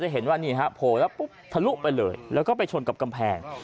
เห็นว่านี่ฮะโผล่แล้วปุ๊บทะลุไปเลยแล้วก็ไปชนกับกำแพง